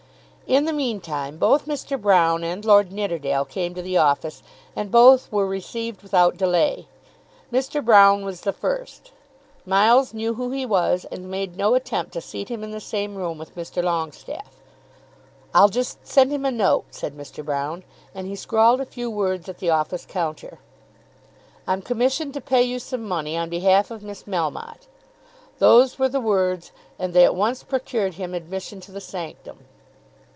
In the mean time both Mr. Broune and Lord Nidderdale came to the office, and both were received without delay. Mr. Broune was the first. Miles knew who he was, and made no attempt to seat him in the same room with Mr. Longestaffe. "I'll just send him a note," said Mr. Broune, and he scrawled a few words at the office counter. "I'm commissioned to pay you some money on behalf of Miss Melmotte." Those were the words, and they at once procured him admission to the sanctum.